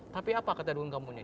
tapi apa kata dung kampungnya